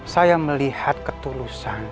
saya melihat ketulusan